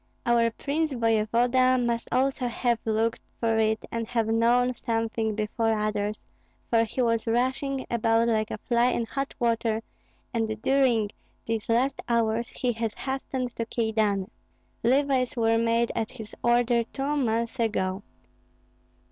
Our prince voevoda must also have looked for it and have known something before others, for he was rushing about like a fly in hot water, and during these last hours he has hastened to Kyedani. Levies were made at his order two months ago.